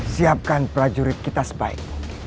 siapkan prajurit kita sebaik